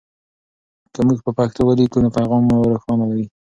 که موږ په پښتو ولیکو نو پیغام مو روښانه وي.